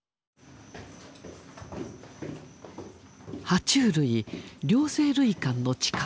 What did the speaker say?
は虫類・両生類館の地下。